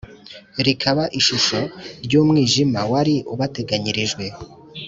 rikaba ishusho y’umwijima wari ubateganyirijwe,